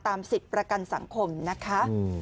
สิทธิ์ประกันสังคมนะคะ